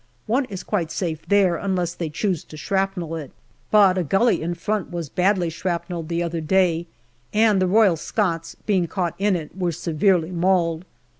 One is quite safe there unless they choose to shrapnel it, but a gully 214 GALLIPOLI DIARY in front was badly shrapnelled the other day, and the Royal Scots, being caught in it, were severely mauled.